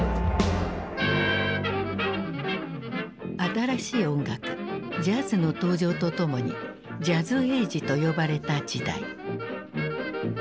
新しい音楽ジャズの登場とともにジャズエイジと呼ばれた時代。